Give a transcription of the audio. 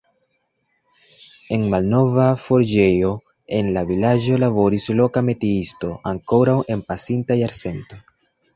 En malnova forĝejo en la vilaĝo laboris loka metiisto ankoraŭ en pasinta jarcento.